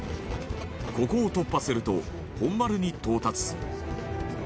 ここを突破すると本丸に到達